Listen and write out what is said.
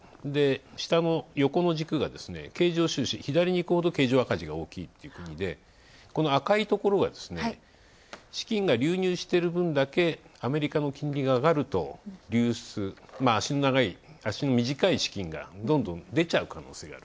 下の横の軸が経常収支、左にいくほど経常赤字が大きいということでこの赤いところが、資金が流入してる分だけアメリカの金利が上がると流出足の短い資金がどんどん出ちゃう可能性がある。